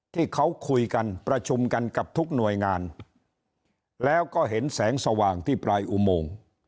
ที่เขาคุยกันประชุมกันกับทุกหน่วยงานแล้วก็เห็นแสงสว่างที่ปลายอุโมง